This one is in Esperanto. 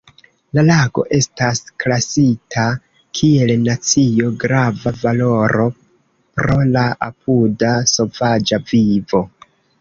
La lago estas klasita kiel nacio-grava valoro pro la apuda sovaĝa vivo.